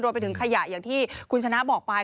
ไปถึงขยะอย่างที่คุณชนะบอกไป